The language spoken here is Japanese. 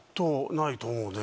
ないと思うね。